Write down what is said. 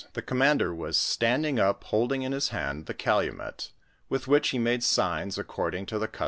The commander was nding up holding in his hand the calumet, with which he maue signs according to the v'^.